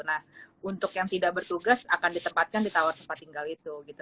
nah untuk yang tidak bertugas akan ditempatkan di tower tempat tinggal itu gitu